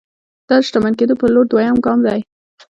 دا د شتمن کېدو پر لور دویم ګام دی